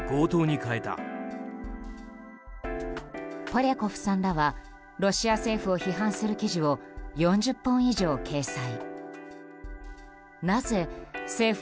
ポリャコフさんらはロシア政府を批判する記事を４０本以上掲載。